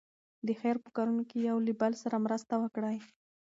د خیر په کارونو کې یو له بل سره مرسته وکړئ.